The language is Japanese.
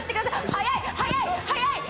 速い、速い、速い！